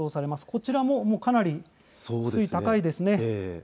こちらもかなり水位が高いですね。